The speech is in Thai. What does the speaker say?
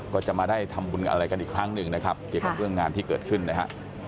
ขอบคุณครับ